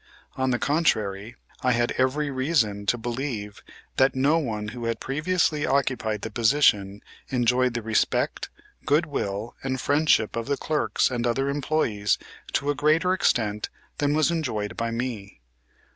On the contrary, I had every reason to believe that no one who had previously occupied the position enjoyed the respect, good will and friendship of the clerks and other employees to a greater extent than was enjoyed by me.